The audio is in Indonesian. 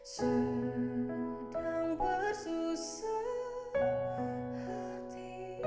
sedang bersusah hati